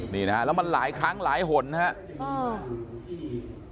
นี่นะฮะแล้วมันหลายครั้งหลายหนนะครับ